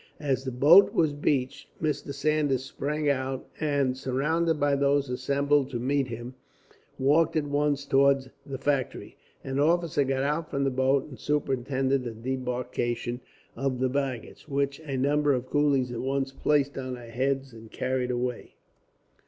As the boat was beached, Mr. Saunders sprang out and, surrounded by those assembled to meet him, walked at once towards the factory. An officer got out from the boat and superintended the debarkation of the baggage, which a number of coolies at once placed on their heads and carried away.